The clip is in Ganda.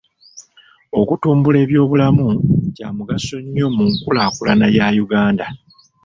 Okutumbula ebyobulamu kya mugaso nnyo mu kulaakulana ya Uganda.